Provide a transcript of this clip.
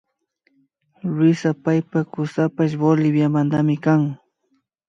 Luisa paypak kusapash Boliviamantami kan